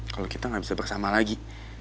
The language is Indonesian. kalau kita nggak bisa bersama lagi